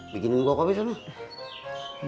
bikinin gua kopi semua